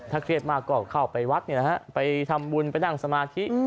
ถ้าเครียดมากก็เข้าออกไปวัดเนี่ยนะฮะไปทำบุญไปนั่งสมาธิ